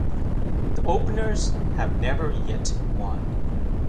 The Openers have never yet won.